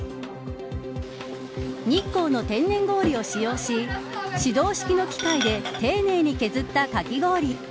日光の天然氷を使用し手動式の機械で丁寧に削ったかき氷。